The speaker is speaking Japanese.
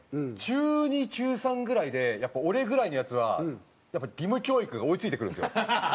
中２中３ぐらいでやっぱ俺ぐらいのヤツは義務教育が追いついてくるんですよ。